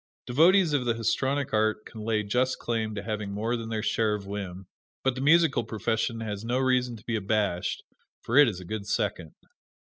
Devotees of the histrionic art can lay just claim to having more than their share of whim, but the musical profession has no reason to be abashed, for it is a good second.